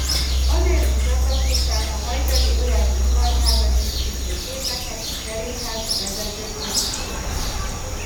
Azért is akasztották a hajdani öreg udvarházat díszítő képeket a cselédházba vezető folyosóra.